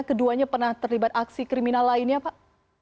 keduanya pernah terlibat aksi kriminal lainnya pak